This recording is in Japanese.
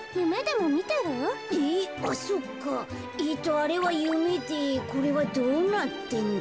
あれはゆめでこれはどうなってんだ？